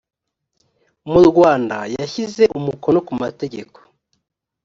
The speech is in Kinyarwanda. mu rwanda yashyize umukono ku mategeko